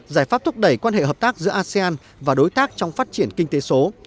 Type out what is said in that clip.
giải pháp thúc đẩy quan hệ hợp tác giữa asean và đối tác trong phát triển kinh tế số